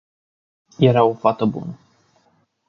Era o fată bună.